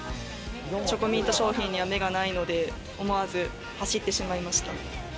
チョコミント商品には目がないので思わず走ってしまいました。